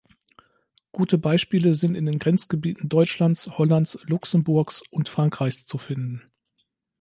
Gute Beispiele sind in den Grenzgebieten Deutschlands, Hollands, Luxemburgs und Frankreichs zu finden.